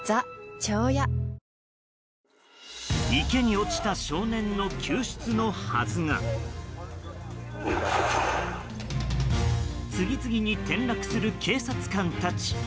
池に落ちた少年の救出のはずが次々に転落する警察官たち。